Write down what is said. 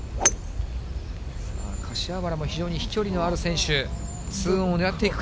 さあ、柏原も非常に飛距離のある選手。